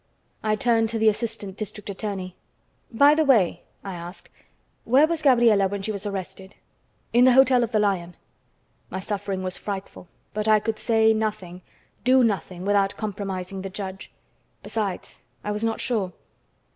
I turned to the assistant district attorney. "By the way," I asked, "where was Gabriela when she was arrested?" "In the Hotel of the Lion." My suffering was frightful, but I could say nothing, do nothing without compromising the judge; besides, I was not sure.